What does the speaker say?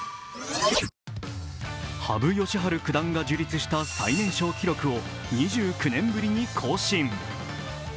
羽生善治九段が樹立した最年少記録を２９年ぶりに更新。